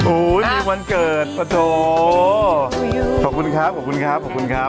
ในวันเกิดปะโถขอบคุณครับขอบคุณครับขอบคุณครับ